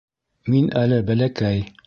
Мин әле бәләкәй...